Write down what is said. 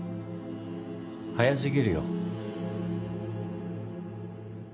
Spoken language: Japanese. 早すぎるよ。